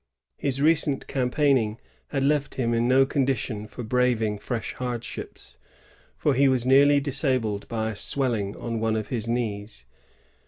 His recent campaigning had left him in no condition for braving fresh hardships, for he was nearly disabled by a swelling on one of his knees.